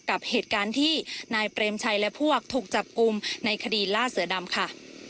กับเหตุการณ์ที่นายเปรมชัยและพวกถูกจับกลุ่มในคดีล่าเสือดำค่ะ